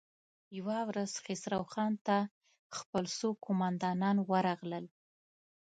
يوه ورځ خسرو خان ته خپل څو قوماندان ورغلل.